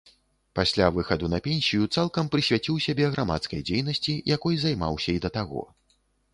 Пасля выхаду на пенсію цалкам прысвяціў сябе грамадскай дзейнасці, якой займаўся і да таго.